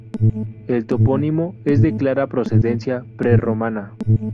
El topónimo es de clara procedencia prerromana.